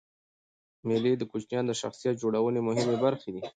مېلې د کوچنيانو د شخصیت جوړنوني مهمي برخي دي.